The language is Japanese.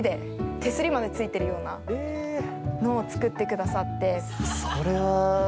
手すりまでついているようなものを作ってくださって。